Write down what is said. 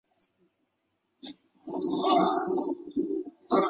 莫斯基兴是奥地利施蒂利亚州沃茨伯格县的一个市镇。